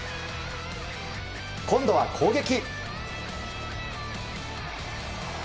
今度は攻撃。